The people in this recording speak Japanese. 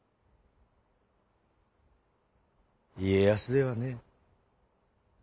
家康ではねえ。